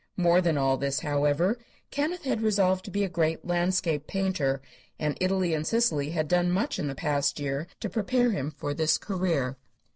More than all this, however, Kenneth had resolved to be a great landscape painter, and Italy and Sicily had done much, in the past year, to prepare him for this career.